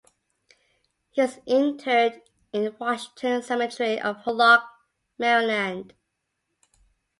He is interred in Washington Cemetery of Hurlock, Maryland.